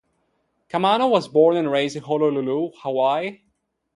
Kamano was born and raised in Honolulu, Hawaii.